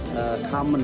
menaikan fasilitas ya